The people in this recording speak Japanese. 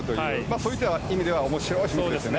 そういった意味では面白いですよね。